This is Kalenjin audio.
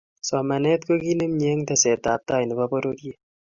somanet ko kit nemyee eng tesetab tai ne bo pororiet.